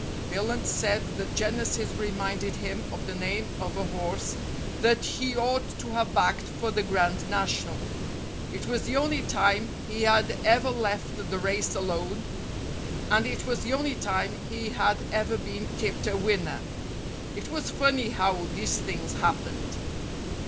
Billunt said that Genesis reminded him of the name of a horse that he ought to have backed for the Grand National. It was the only time he had ever left the race alone, and it was the only time he had ever been tipped a winner. It was funny how these things happened.